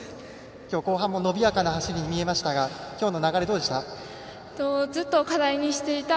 きょう、後半も伸びやかな走りに見えましたが、きょうの流れどうでした？